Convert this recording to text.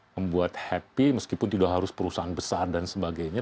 membuat happy meskipun tidak harus perusahaan besar dan sebagainya